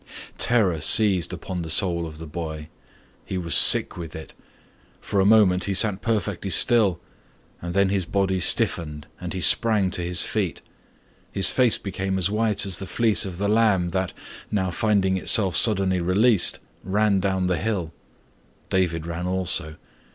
Terror seized upon the soul of the boy. He was sick with it. For a moment he sat perfectly still and then his body stiffened and he sprang to his feet. His face became as white as the fleece of the lamb that, now finding itself suddenly released, ran down the hill. David ran also.